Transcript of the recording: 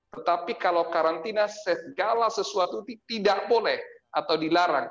tetapi kalau karantina segala sesuatu tidak boleh atau dilarang